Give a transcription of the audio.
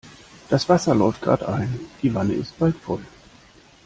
Das Wasser läuft gerade ein, die Wanne ist bald voll.